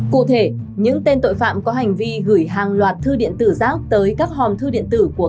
cụ thể những tên tội phạm có hành vi gửi hàng loạt thư điện tử rác tới các hòm thư điện tử của